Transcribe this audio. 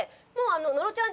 野呂ちゃん